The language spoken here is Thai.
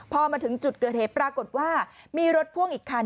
พอมาถึงจุดเกิดเหตุปรากฏว่ามีรถพ่วงอีกคัน